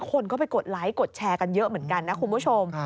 คนก็ไปกดไลค์กดแชร์กันเยอะเหมือนกันนะคุณผู้ชม